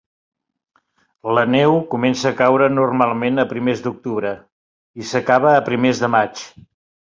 La neu comença a caure normalment a primers d'octubre i s'acaba a primers de maig.